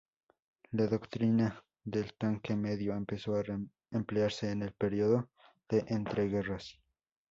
La doctrina del tanque medio empezó a emplearse en el período de entreguerras.